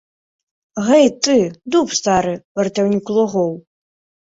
Гэй ты, дуб стары, вартаўнік лугоў!